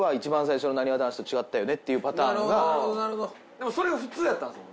でもそれが普通やったんすもんね？